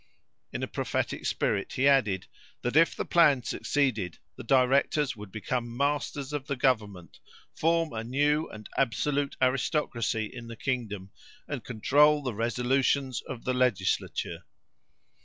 In a prophetic spirit he added, that if the plan succeeded, the directors would become masters of the government, form a new and absolute aristocracy in the kingdom, and control the resolutions of the legislature.